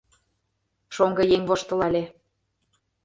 Шоҥго еҥ воштылале: